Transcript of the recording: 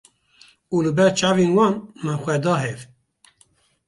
û li ber çavên wan min xwe da hev